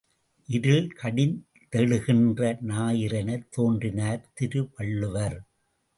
இருள் கடிந்தெழுகின்ற ஞாயிறெனத் தோன்றினார் திருவள்ளுவர்.